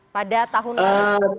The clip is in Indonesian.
pada tahun ini